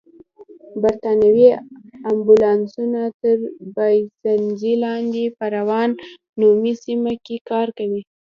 بریتانوي امبولانسونه تر باینسېزا لاندې په راون نومي سیمه کې کار کوي.